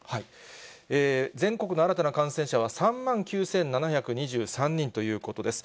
全国の新たな感染者は３万９７２３人ということです。